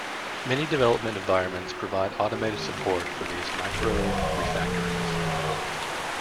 Many development environments provide automated support for these micro-refactorings.